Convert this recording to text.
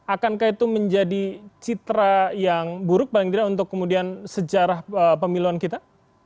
akankah itu menjadi citra yang buruk paling tidak untuk kemudian sejarah pemiluan kita